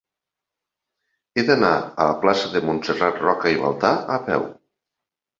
He d'anar a la plaça de Montserrat Roca i Baltà a peu.